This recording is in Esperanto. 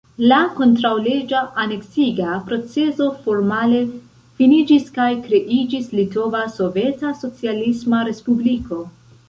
La kontraŭleĝa aneksiga procezo formale finiĝis kaj kreiĝis Litova Soveta Socialisma Respubliko.